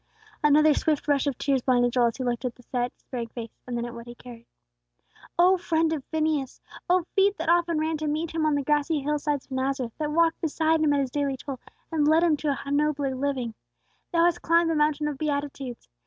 Another swift rush of tears blinded Joel, as he looked at the set, despairing face, and then at what he carried. O friend of Phineas! O feet that often ran to meet him on the grassy hillsides of Nazareth, that walked beside him at his daily toil, and led him to a nobler living! Thou hast climbed the mountain of Beatitudes!